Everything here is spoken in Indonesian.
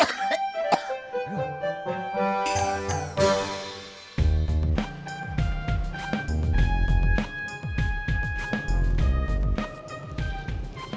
ada apel misalnya juga